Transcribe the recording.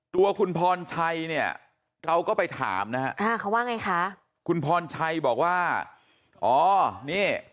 ตัวคุณพรชัยเนี่ยเราก็ไปถามนะฮะอ่าเขาว่าไงคะคุณพรชัยบอกว่าอ๋อนี่